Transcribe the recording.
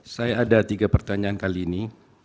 saya ada tiga pertanyaan kali ini